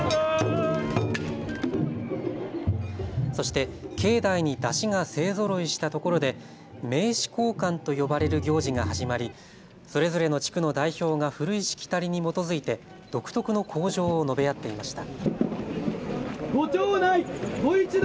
そして境内に山車が勢ぞろいしたところで名刺交換と呼ばれる行事が始まり、それぞれの地区の代表が古いしきたりに基づいて独特の口上を述べ合っていました。